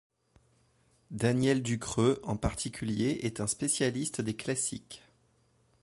Daniel Ducreux, en particulier est un spécialiste des classiques.